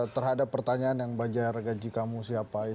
terhadap pertanyaan yang banjar gaji kamu siapa itu